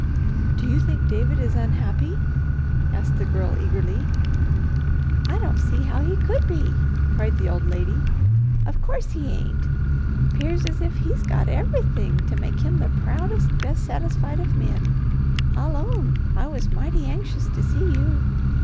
"Do you think David is unhappy?" asked the Girl eagerly. "I don't see how he could be!" cried the old lady. "Of course he ain't! 'Pears as if he's got everythin' to make him the proudest, best satisfied of men. I'll own I was mighty anxious to see you.